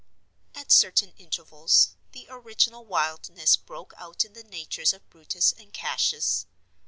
At certain intervals, the original wildness broke out in the natures of Brutus and Cassius.